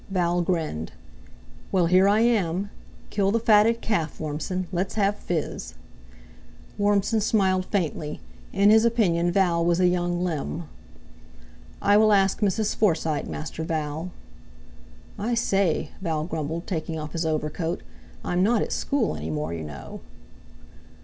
Val grinned. "Well, here I am. Kill the fatted calf, Warmson, let's have fizz." Warmson smiled faintly—in his opinion Val was a young limb. "I will ask Mrs. Forsyte, Master Val." "I say," Val grumbled, taking off his overcoat, "I'm not at school any more, you know."